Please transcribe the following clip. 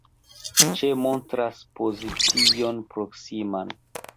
Ĉe montras pozicion proksiman.